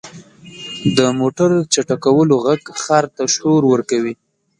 • د موټر چټکولو ږغ ښار ته شور ورکوي.